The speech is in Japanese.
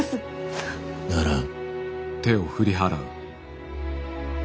ならん。